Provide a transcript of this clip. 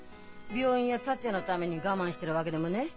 病院や達也のために我慢してるわけでもねえ。